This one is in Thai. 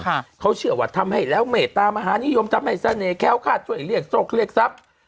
ค่ะเขาเชื่อว่าทำให้แล้วเมตตามหานิยมทำให้เสน่ห้วคาดช่วยเรียกโชคเรียกทรัพย์